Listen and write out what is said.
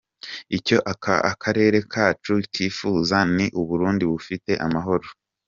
Icyo aka karere kacu kifuza ni u Burundi bufite amahoro.